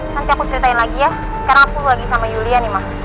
nanti aku ceritain lagi ya sekarang aku lagi sama yulia nih mas